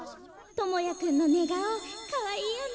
智也くんのねがおかわいいよね。